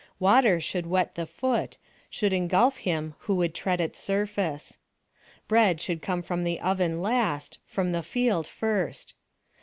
Water should wet the foot, should ingulf him who would tread its surface. Bread should come from the oven last, from the field first.